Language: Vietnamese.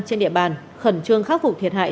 trên địa bàn khẩn trương khắc phục thiệt hại